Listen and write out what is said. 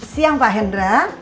siang pak hendra